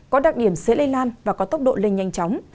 có đặc điểm dễ lây lan và có tốc độ lên nhanh chóng